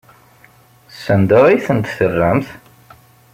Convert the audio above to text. Sanda ay tent-terramt?